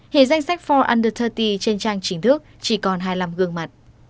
hiện danh sách voice under ba mươi trên trang chính thức chỉ còn hai mươi năm gương mặt